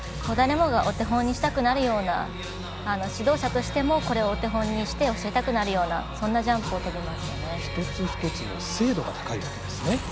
誰もがお手本にしたくなるような指導者としてもこれをお手本にして教えたくなるようなジャンプを跳びますね。